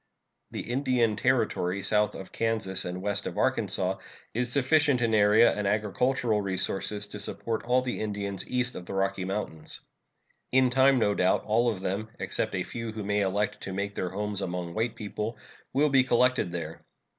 The Indian Territory south of Kansas and west of Arkansas is sufficient in area and agricultural resources to support all the Indians east of the Rocky Mountains. In time, no doubt, all of them, except a few who may elect to make their homes among white people, will be collected there.